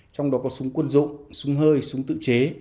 trong đó có súng quân dụng súng hơi súng tự chế